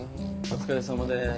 お疲れさまです。